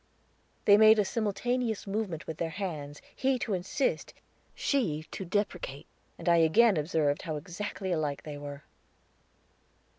They made a simultaneous movement with their hands, he to insist, she to deprecate, and I again observed how exactly alike they were.